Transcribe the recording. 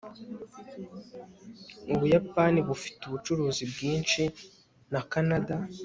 ubuyapani bufite ubucuruzi bwinshi na kanada